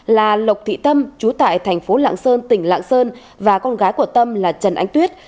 là lộc thị tâm trú tại tp lạng sơn tỉnh lạng sơn và con gái của tâm là trần ánh tuyết